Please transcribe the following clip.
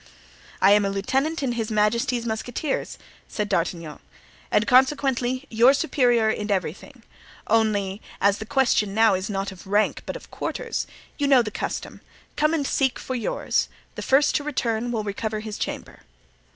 "I am lieutenant in his majesty's musketeers," said D'Artagnan, "and consequently your superior in everything; only, as the question now is not of rank, but of quarters—you know the custom—come and seek for yours; the first to return will recover his chamber."